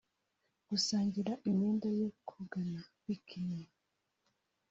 gusangira imyenda yo kogana(bikini)